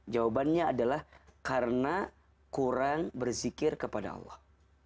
jawabannya adalah karena kurang berzikir kepada allah